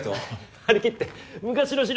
張り切って昔の資料